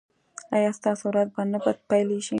ایا ستاسو ورځ به نه پیلیږي؟